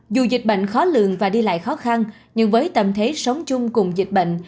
dù dịch bệnh khó lường và đi lại khó khăn nhưng với tâm thế sống chung cùng dịch bệnh